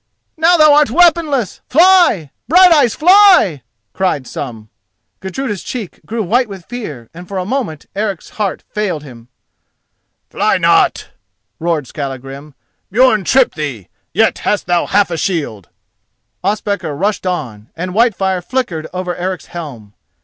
"Now thou art weaponless, fly! Brighteyes; fly!" cried some. Gudruda's cheek grew white with fear, and for a moment Eric's heart failed him. "Fly not!" roared Skallagrim. "Björn tripped thee. Yet hast thou half a shield!" Ospakar rushed on, and Whitefire flickered over Eric's helm.